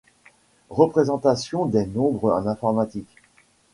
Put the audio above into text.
Représentation des nombres en informatique.